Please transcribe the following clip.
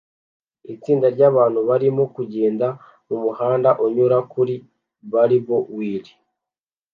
Itsinda ryabantu barimo kugenda mumuhanda unyura kuri barb-wire